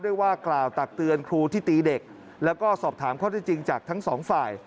ว่ากล่าวตักเตือนครูที่ตีเด็กแล้วก็สอบถามข้อที่จริงจากทั้งสองฝ่าย